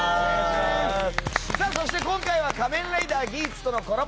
そして、今回は「仮面ライダーギーツ」とのコラボ